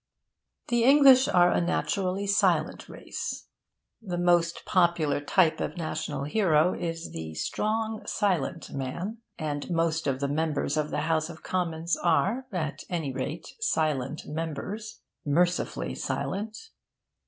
The English are a naturally silent race. The most popular type of national hero is the 'strong silent man.' And most of the members of the House of Commons are, at any rate, silent members. Mercifully silent.